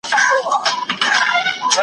د خپل عقل په کمال وو نازېدلی .